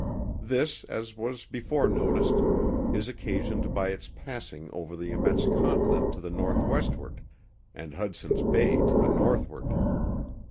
This, as was before noticed, is occasioned by its passing over the immense continent to the northwestward, and Hudson's Bay to the northward.